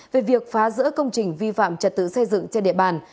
về việc phá rỡ công trình vi phạm trật tự xây dựng trên địa bàn